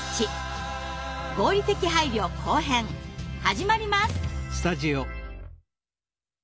「合理的配慮後編」始まります。